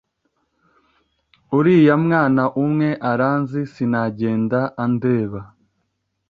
uriya mwana umwe aranzi sinagenda andeba,